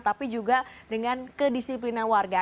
tapi juga dengan kedisiplinan warga